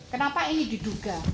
kenapa ini diduga